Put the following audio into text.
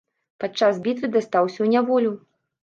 Падчас бітвы дастаўся ў няволю.